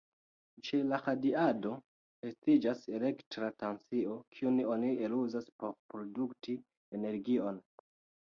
Ĉe la radiado, estiĝas elektra tensio, kiun oni eluzas por produkti energion.